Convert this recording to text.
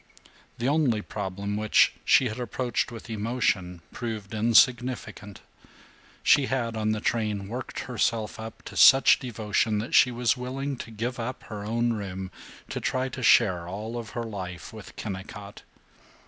The only problem which she had approached with emotion proved insignificant. She had, on the train, worked herself up to such devotion that she was willing to give up her own room, to try to share all of her life with Kennicott.